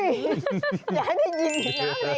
อย่าให้ได้ยินอีกแล้วเพลงนี้